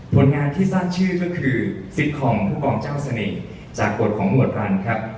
ผลงานที่สร้างชื่อก็คือฟิตคอมกองเจ้าเสน่ห์จากกฎของหมวดรันครับ